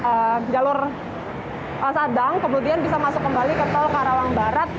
ke jalur sadang kemudian bisa masuk kembali ke tol karawang barat